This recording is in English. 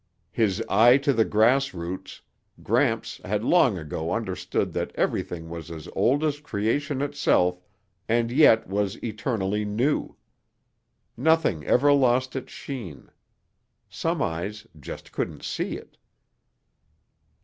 His eye to the grassroots, Gramps had long ago understood that everything was as old as creation itself and yet was eternally new. Nothing ever lost its sheen; some eyes just couldn't see it.